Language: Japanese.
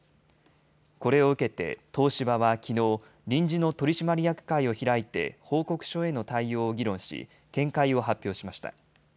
これを受けて東芝はきのう、臨時の取締役会を開いて報告書への対応を議論し見解を発表しました。